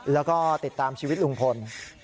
แล้วก็ติดตามชีวิตลุงพล